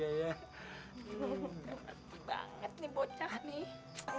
ini banget nih bocah nih